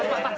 pak pak pak